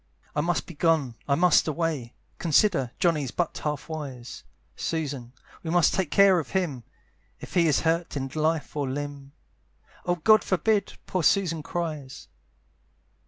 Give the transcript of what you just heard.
"I must be gone, I must away, "Consider, Johnny's but half wise; "Susan, we must take care of him, "If he is hurt in life or limb" "Oh God forbid!" poor Susan cries.